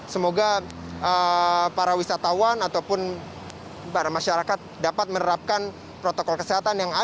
semoga para wisatawan ataupun para masyarakat dapat menerapkan protokol kesehatan yang ada